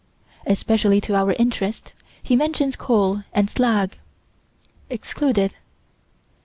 Especially to our interest, he mentions coal and slag. Excluded.